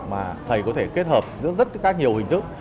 mà thầy có thể kết hợp giữa rất các nhiều hình thức